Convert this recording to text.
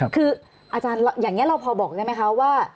คืออาจารย์อย่างนี้เราพอบอกได้ไหมคะว่า